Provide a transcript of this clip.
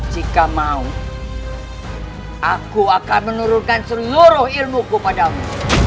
jika mau aku akan menurunkan seluruh ilmuku padamu